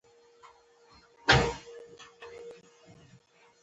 دا سمارټ وسیله د غږ له لارې کنټرولېږي.